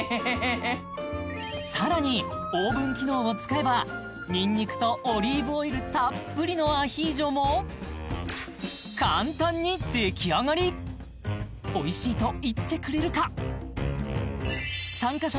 さらにオーブン機能を使えばニンニクとオリーブオイルたっぷりのアヒージョも簡単にできあがりおいしいと言ってくれるか